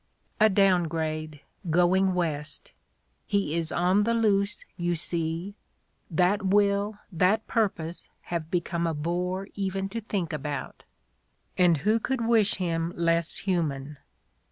A down grade, going West: he is "on the loose," you see; that will, that purpose have become a bore even to think about! And who could wish him less human?